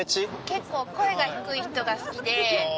結構、声が低い人が好きで。